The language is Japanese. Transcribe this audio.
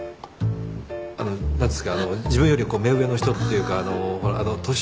あのう何ですか自分より目上の人っていうかあのう年上の人をこう。